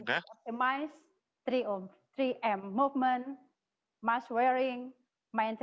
anda dapat melihat penghantaran grup pendapatan yang tinggi